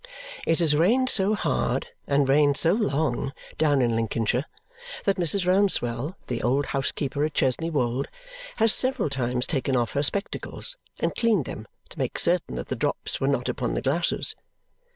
It has rained so hard and rained so long down in Lincolnshire that Mrs. Rouncewell, the old housekeeper at Chesney Wold, has several times taken off her spectacles and cleaned them to make certain that the drops were not upon the glasses.